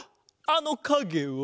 あのかげは？